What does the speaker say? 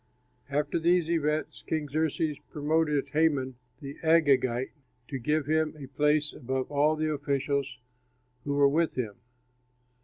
After these events King Xerxes promoted Haman, the Agagite, and gave him a place above all the officials who were with him.